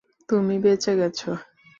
তুমি বেঁচে গেছ।